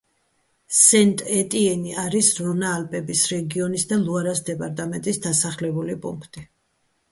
სენტ-ეტიენი არის რონა-ალპების რეგიონის და ლუარას დეპარტამენტის დასახლებული პუნქტი.